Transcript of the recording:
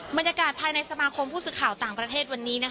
บรรยากาศภายในสมาคมผู้สื่อข่าวต่างประเทศวันนี้